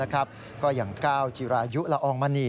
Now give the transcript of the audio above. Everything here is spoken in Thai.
ก็อย่างก้าวจิรายุละอองมณี